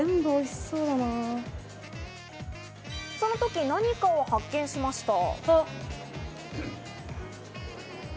そのとき、何かを発見しました。